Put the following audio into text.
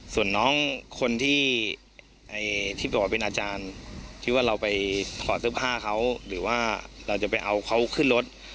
ส่วนน้องคนที่บอกว่าเป็นอาจารย์ที่ว่าเราไปถอดเสื้อผ้าเขาหรือว่าเราจะไปเอาเขาขึ้นรถ